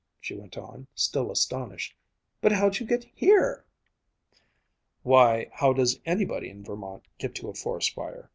She went on, still astonished, "But how'd you get here?" "Why, how does anybody in Vermont get to a forest fire?"